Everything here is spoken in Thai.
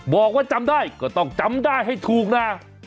บอกว่าจำได้ก็ต้องจำได้ให้ถูกนะ